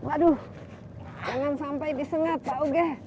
waduh jangan sampai disengat pak uge